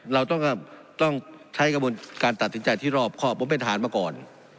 เราต้องใช้กระบวนการตัดสินใจที่รอบครอบผมเป็นทหารมาก่อน